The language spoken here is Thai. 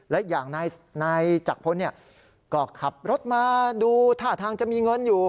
และอย่างนายจักรพลก็ขับรถมาดูท่าทางจะมีเงินอยู่